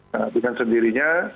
nah dengan sendirinya